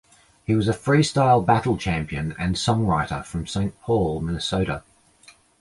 He was a freestyle battle champion and songwriter from Saint Paul, Minnesota.